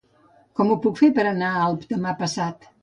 Com ho puc fer per anar a Alp demà passat?